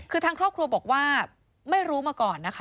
คือทางครอบครัวบอกว่าไม่รู้มาก่อนนะคะ